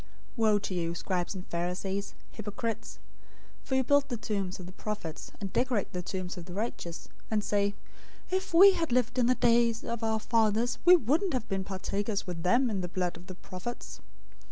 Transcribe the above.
023:029 "Woe to you, scribes and Pharisees, hypocrites! For you build the tombs of the prophets, and decorate the tombs of the righteous, 023:030 and say, 'If we had lived in the days of our fathers, we wouldn't have been partakers with them in the blood of the prophets.'